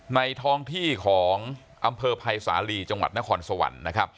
ท้องที่ของอำเภอภัยสาลีจังหวัดนครสวรรค์นะครับ